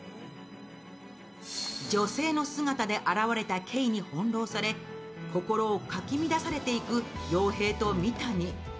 女性の姿で現れた慧に翻弄され、心をかき乱されていく洋平と三谷。